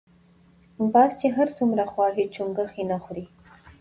باز چی هر څومره خوار شی چونګښی نه خوري .